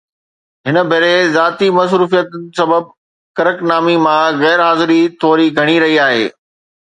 هن ڀيري ذاتي مصروفيتن سبب ڪرڪ نامي مان غير حاضري ٿوري گهڻي رهي آهي